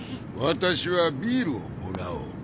私はビールをもらおう。